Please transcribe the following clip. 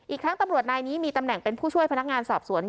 ทั้งตำรวจนายนี้มีตำแหน่งเป็นผู้ช่วยพนักงานสอบสวน